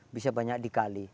bisa banyak dikali